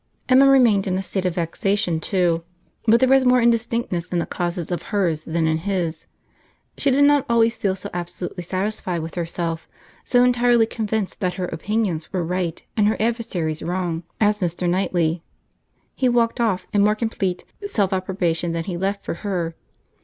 Emma remained in a state of vexation too; but there was more indistinctness in the causes of her's, than in his. She did not always feel so absolutely satisfied with herself, so entirely convinced that her opinions were right and her adversary's wrong, as Mr. Knightley. He walked off in more complete self approbation than he left for her.